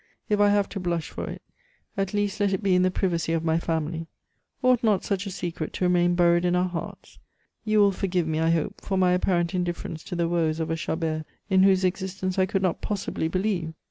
If I have to blush for it, at least let it be in the privacy of my family. Ought not such a secret to remain buried in our hearts? You will forgive me, I hope, for my apparent indifference to the woes of a Chabert in whose existence I could not possibly believe.